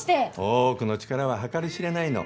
大奥の力は計り知れないの。